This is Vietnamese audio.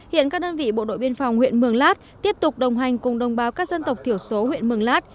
hiện các đơn vị bộ đội biên phòng huyện mường lát tiếp tục đồng hành cùng đồng bào các dân tộc thiểu số huyện mường lát